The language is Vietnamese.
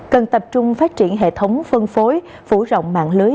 cần tập trung phát triển hệ thống phân phối phủ rộng mạng lưới